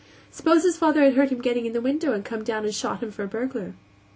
Suppose his father had heard him getting in at the window and had come down and shot him for a burglar?